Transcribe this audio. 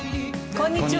こんにちは。